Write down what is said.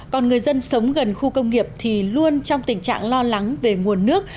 còn người dân sống gần khu công nghiệp thì luôn trong tình trạng lo lắng về nguồn nước